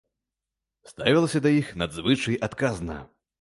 Ставілася да іх надзвычай адказна.